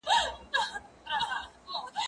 زه خبري کړي دي،